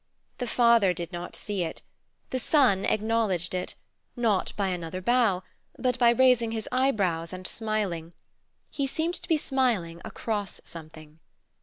The father did not see it; the son acknowledged it, not by another bow, but by raising his eyebrows and smiling; he seemed to be smiling across something.